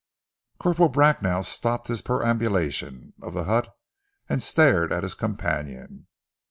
Corporal Bracknell stopped his perambulation of the hut, and stared at his companion.